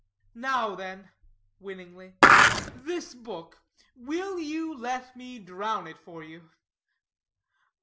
Now, then" (winningly), "this book will you let me drown it for you?"